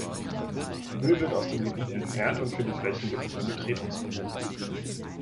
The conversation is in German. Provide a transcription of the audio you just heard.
Müll wird aus dem Gebiet entfernt und für die Flächen gibt es ein Betretungsverbot.